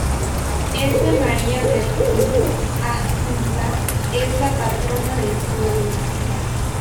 S. Maria Vergine Assunta es la patrona del pueblo.